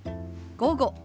午後。